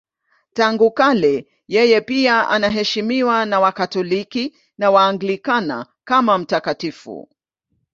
Tangu kale yeye pia anaheshimiwa na Wakatoliki na Waanglikana kama mtakatifu.